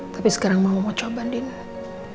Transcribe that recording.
tapi sekarang mama mau coba dina